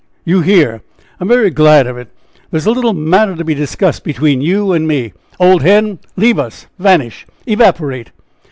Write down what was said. You here! I am very glad of it! There is a little matter to be discussed between you and me! Old Hen! leave us! vanish! evaporate!"